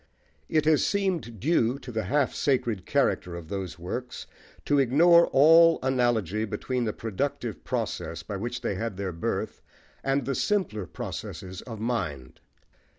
It has seemed due to the half sacred character of those works to ignore all analogy between the productive process by which they had their birth, and the simpler processes of mind.